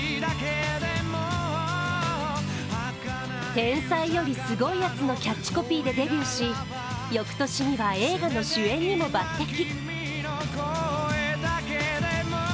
「天才より凄いヤツ」のキャッチコピーでデビューし翌年には映画の主演にも抜てき。